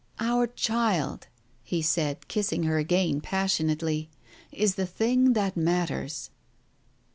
"Our child," he said, kissing her again passionately, "is the thing that matters."